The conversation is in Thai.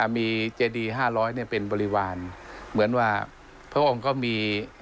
มีเจดีห้าร้อยเนี่ยเป็นบริวารเหมือนว่าพระองค์ก็มี